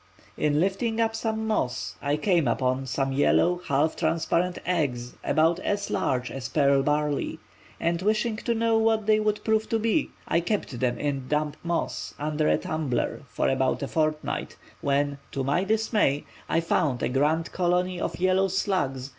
In lifting up some moss I once came upon some yellow, half transparent eggs about as large as pearl barley, and wishing to know what they would prove to be I kept them in damp moss under a tumbler for about a fortnight, when, to my dismay, I found a grand colony of yellow slugs!